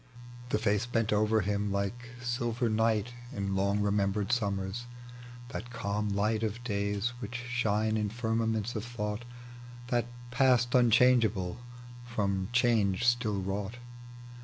The face bent over bim like silver night In long remembered snmmera ; that calm light Of days which shine in firmaments of thought, That past unchangeable, from change still wrought.